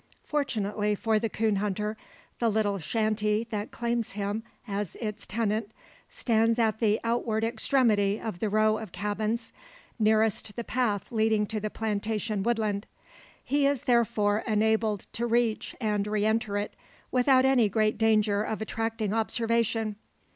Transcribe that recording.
Fortunately for the coon hunter, the little "shanty" that claims him as its tenant stands at the outward extremity of the row of cabins nearest the path leading to the plantation woodland. He is therefore enabled to reach, and re enter it, without any great danger of attracting observation.